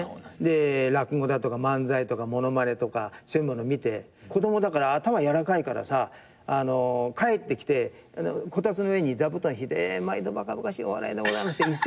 落語だとか漫才とか物まねとかそういうもの見て子供だから頭やわらかいからさ帰ってきてこたつの上に座布団ひいてえ毎度バカバカしいお笑いでございますって一席